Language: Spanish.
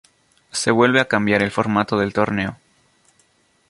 Se vuelve a cambiar el formato del torneo.